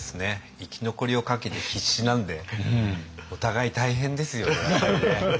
生き残りをかけて必死なんでお互い大変ですよねやっぱりね。